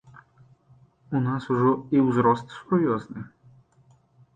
У нас ужо і ўзрост сур'ёзны.